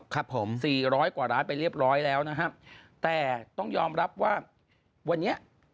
ครับผมสี่ร้อยกว่าล้านไปเรียบร้อยแล้วนะครับแต่ต้องยอมรับว่าวันนี้